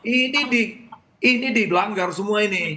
ini di ini dilanggar semua ini